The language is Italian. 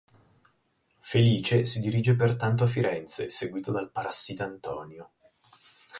Felice si dirige pertanto a Firenze seguito dal parassita Antonio.